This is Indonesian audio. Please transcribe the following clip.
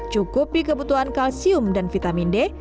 cukupi kebutuhan kalsium dan vitamin d